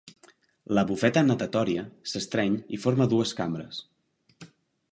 La bufeta natatòria s'estreny i forma dues cambres.